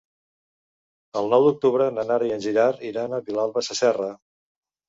El nou d'octubre na Nara i en Gerard iran a Vilalba Sasserra.